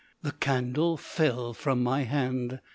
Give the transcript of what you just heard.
The candle fell from my hand.